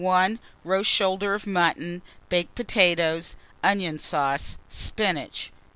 Roast shoulder of mutton, baked potatoes, onion sauce, spinach.